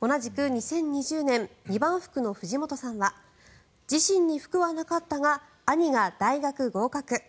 同じく２０２０年二番福の藤本さんは自身に福はなかったが兄が大学合格。